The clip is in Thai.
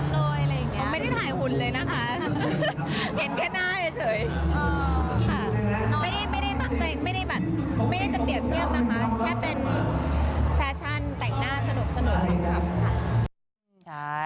แค่เป็นแฟชั่นแต่งหน้าสนุกเลยครับ